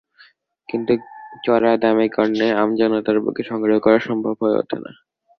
কিন্তু চড়া দামের কারণে আমজনতার পক্ষে সংগ্রহ করা সম্ভব হয়ে ওঠে না।